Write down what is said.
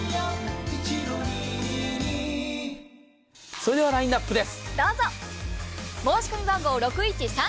それではラインナップです。